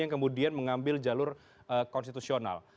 yang kemudian mengambil jalur konstitusional